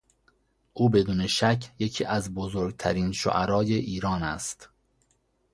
او بدون شک یکی از بزرگترین شعرای ایران است.